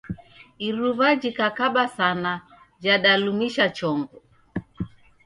Iruwa jhikakaba sana jadalumisha chongo